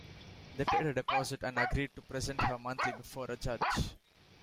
They paid a deposit and agreed to present her monthly before a judge.